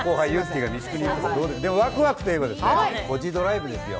ワクワクといえば「コジドライブ」ですよ。